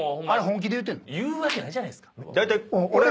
言うわけないじゃないですか。